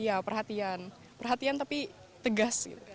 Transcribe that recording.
iya perhatian perhatian tapi tegas gitu